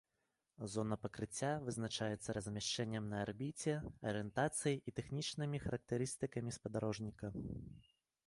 Зона пакрыцця вызначаецца размяшчэннем на арбіце, арыентацыяй і тэхнічнымі характарыстыкамі спадарожніка.